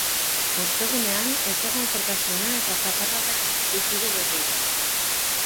Ostegunean, ezegonkortasuna eta zaparradak espero ditugu berriro.